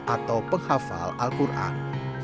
atau penghafal al qur an